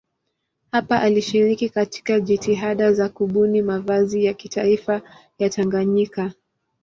Hapa alishiriki katika jitihada za kubuni mavazi ya kitaifa ya Tanganyika.